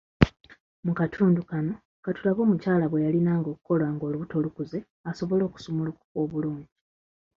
Mu katundu kano katulabe omukyala bye yalinanga okukola ng’olubuto lukuze asobole okusumulukuka obulungi.